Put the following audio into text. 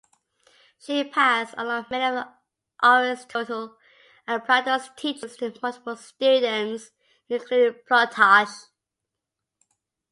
She passed along many of Aristotle and Plato's teachings to multiple students, including Plutarch.